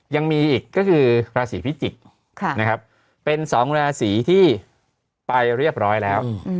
ยังมีอีกก็คือราศีพิจิกเป็นสองราศีที่ไปเรียบร้อยแล้ว